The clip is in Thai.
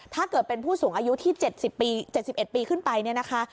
ถ้าเกิดเป็นผู้สูงอายุที่๗๑ปีขึ้นไปเนี่ยนะคะ